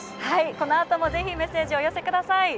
このあともぜひ、メッセージお寄せください。